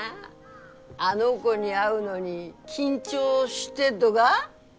あの子に会うのに緊張してっとが？